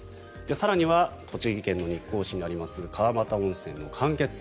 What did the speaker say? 更には栃木県日光市にあります川俣温泉の間欠泉